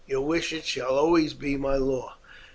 Your wishes shall always be my law."